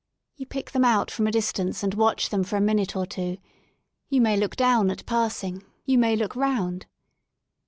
You pick them out from a distance and watch them for a minute or two ; you may look down at passing, you may look round.